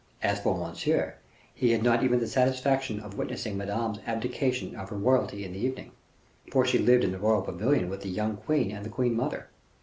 As for Monsieur, he had not even the satisfaction of witnessing Madame's abdication of her royalty in the evening, for she lived in the royal pavilion with the young queen and the queen mother.